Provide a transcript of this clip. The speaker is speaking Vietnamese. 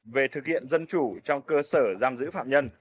về thực hiện dân chủ trong cơ sở giam giữ phạm nhân